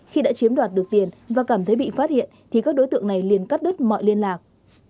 khi đã chiếm đoạt được tiền và cảm thấy bị phát hiện thì các đối tượng này liền cắt đứt mọi liên lạc